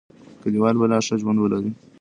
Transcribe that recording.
کلیوال به لا ښه ژوند ولري.